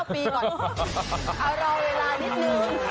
เอาเราเวลานิดนึง